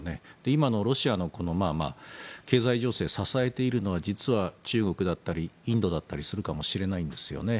今のロシアの経済情勢を支えているのは実は中国だったりインドだったりするかもしれないんですよね。